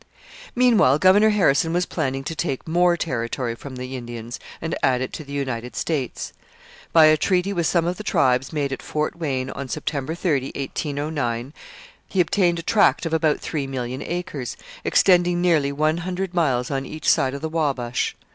Meanwhile Governor Harrison was planning to take more territory from the Indians and add it to the United States. By a treaty with some of the tribes made at Fort Wayne on September 30, 1809, he obtained a tract of about three million acres, extending nearly one hundred miles on each side of the Wabash.